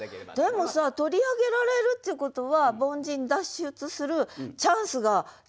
でもさ取り上げられるっていうことは凡人脱出するチャンスが手に入るっていうかさ。